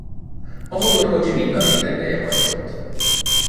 A motorkocsi mind a négy tengelye hajtott.